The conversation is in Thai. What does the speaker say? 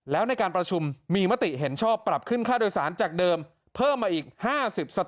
แล้วในการประชุมมีมติเห็นชอบปรับขึ้นค่าโดยสารจากเดิมเพิ่มมาอีก๕๐สตา